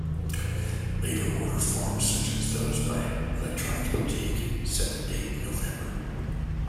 Later order forms, such as those by Electronics Boutique, set the date in November.